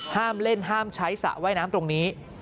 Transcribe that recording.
ห้ามเล่นห้ามใช้สระว่ายน้ำตรงนี้